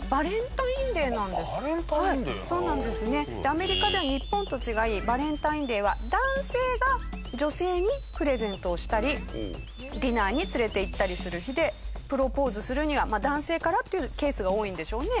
アメリカでは日本と違いバレンタインデーは男性が女性にプレゼントをしたりディナーに連れていったりする日でプロポーズするにはまあ男性からっていうケースが多いんでしょうね。